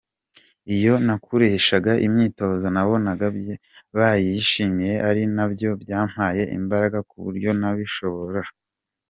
Iyo nakoreshaga imyitozo nabonaga bayishimiye ari nabyo byampaye imbaraga ko burya nabishobora.